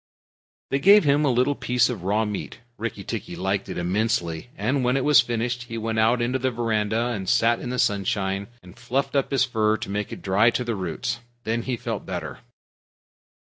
They gave him a little piece of raw meat. Rikki tikki liked it immensely, and when it was finished he went out into the veranda and sat in the sunshine and fluffed up his fur to make it dry to the roots. Then he felt better.